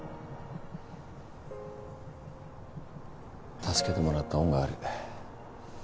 助けてもらった恩がある。